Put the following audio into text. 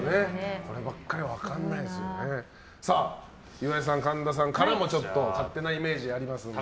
岩井さん、神田さんからも勝手なイメージありますので。